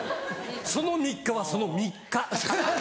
その３日はその３日。